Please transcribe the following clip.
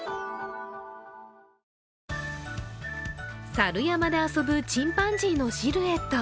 猿山で遊ぶチンパンジーのシルエット。